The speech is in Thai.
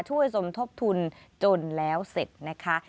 สมทบทุนจนแล้วเสร็จนะคะ